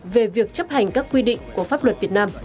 về việc chấp hành các quy định của pháp luật việt nam